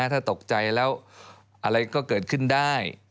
ถ้าตกใจแล้วอะไรก็เกิดขึ้นได้